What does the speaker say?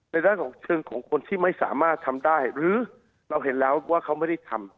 ด้านของเชิงของคนที่ไม่สามารถทำได้หรือเราเห็นแล้วว่าเขาไม่ได้ทำ